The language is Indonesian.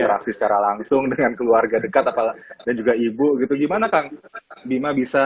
reaksi secara langsung dengan keluarga dekat apalah dan juga ibu gitu gimana kang bima bisa